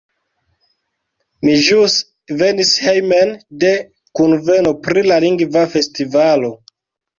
Mi ĵus venis hejmen, de kunveno pri la Lingva Festivalo.